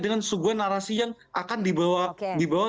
dengan sebuah narasi yang akan dibawa